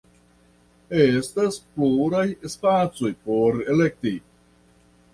Estas pluraj spacoj por elekti.